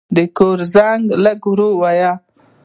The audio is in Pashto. د کور زنګ لږ ورو و.